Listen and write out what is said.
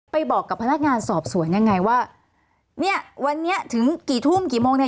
บอกกับพนักงานสอบสวนยังไงว่าเนี่ยวันนี้ถึงกี่ทุ่มกี่โมงเนี่ย